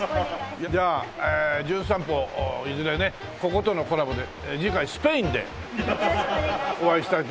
じゃあえ『じゅん散歩』いずれねこことのコラボで次回スペインでお会いしたいと思いますけども。